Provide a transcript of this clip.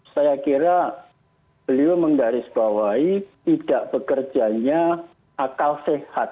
saya kira beliau menggarisbawahi tidak bekerjanya akal sehat